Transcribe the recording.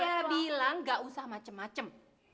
saya bilang gak usah macem macem